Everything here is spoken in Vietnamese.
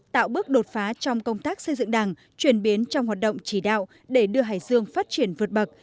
tạo bước đột phá trong công tác xây dựng đảng chuyển biến trong hoạt động chỉ đạo để đưa hải dương phát triển vượt bậc